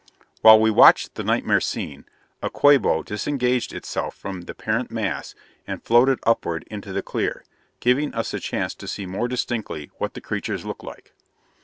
While we watched the nightmare scene, a Quabo disengaged itself from the parent mass and floated upward into the clear, giving us a chance to see more distinctly what the creatures looked like.